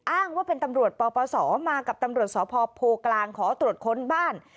อ้างว่าเป็นตำรวจปปสมากับตำรวจสปโพกรขตคบ้าน